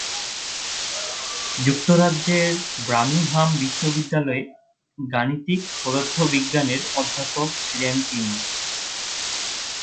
যুক্তরাজ্যের বার্মিংহাম বিশ্ববিদ্যালয়ে গাণিতিক পদার্থবিজ্ঞানের অধ্যাপক ছিলেন তিনি।